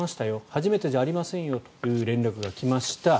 初めてじゃありませんよという連絡が来ました。